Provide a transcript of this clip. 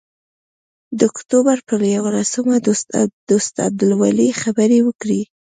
د اکتوبر پر یوولسمه دوست عبدالولي خبرې وکړې.